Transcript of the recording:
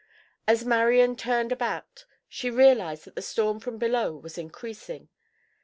As Marian turned about she realized that the storm from below was increasing.